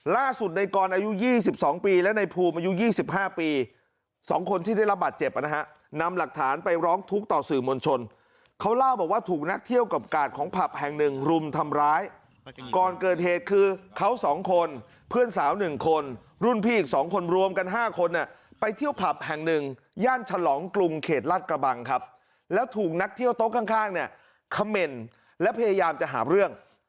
ล่าสุดในกรอายุ๒๒ปีและในภูมิอายุ๒๕ปี๒คนที่ได้รับบัตรเจ็บนะฮะนำหลักฐานไปร้องทุกข์ต่อสื่อมวลชนเขาเล่าบอกว่าถูกนักเที่ยวกับกาลของผับแห่ง๑รุมทำร้ายกรเกิดเหตุคือเขา๒คนเพื่อนสาว๑คนรุ่นพี่๒คนรวมกัน๕คนไปเที่ยวผับแห่ง๑ย่านฉลองกลุ่มเขตลัดกระบังครับแล้วถูกนักเ